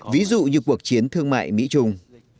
ví dụ như cuộc chiến thương mại mỹ trung